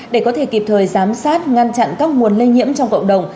để có thể kịp thời giám sát ngăn chặn các nguồn lây nhiễm trong cộng đồng